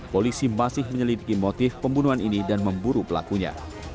polisi masih menyelidiki motif pembunuhan ini dan memburu pelakunya